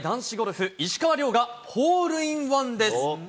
国内男子ゴルフ、石川遼がホールインワンです。